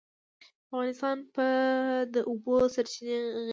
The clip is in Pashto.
افغانستان په د اوبو سرچینې غني دی.